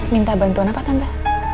minta bantuan apa tante